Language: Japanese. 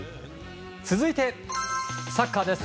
続いて、サッカーです。